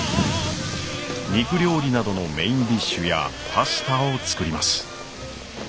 肉料理などのメインディッシュやパスタを作ります。